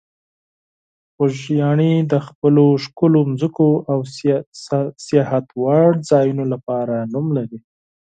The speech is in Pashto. خوږیاڼي د خپلو ښکلو ځمکو او سیاحت وړ ځایونو لپاره شهرت لري.